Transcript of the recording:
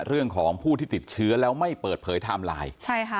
เรื่องของผู้ที่ติดเชื้อแล้วไม่เปิดเผยไทม์ไลน์ใช่ค่ะ